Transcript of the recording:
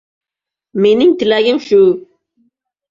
Mening tilagim shu.